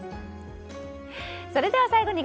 それでは最後に